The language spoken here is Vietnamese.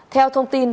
theo thông tin